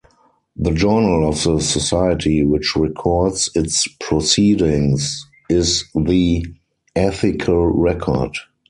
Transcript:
The journal of the society, which records its proceedings, is the Ethical Record.